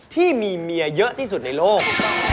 ที่มีเมียเยอะที่สุดในโลก